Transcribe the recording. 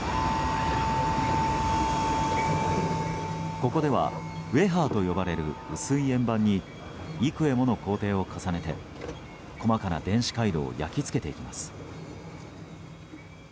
ここではウェハーと呼ばれる薄い円盤に何重もの工程を重ねて細かな電子回路を焼き付けていきます。